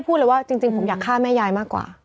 พูดเลยว่าจริงผมอยากฆ่าแม่ยายมากกว่า